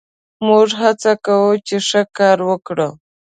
موږ هڅه کوو، چې ښه کار وکړو.